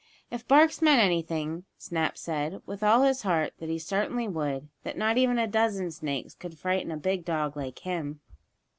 If barks meant anything, Snap said, with all his heart, that he certainly would that not even a dozen snakes could frighten a big dog like him.